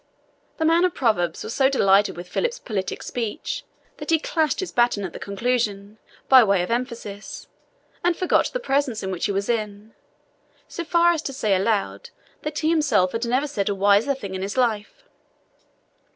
The man of proverbs was so delighted with Philip's politic speech that he clashed his baton at the conclusion, by way of emphasis, and forgot the presence in which he was, so far as to say aloud that he himself had never said a wiser thing in his life.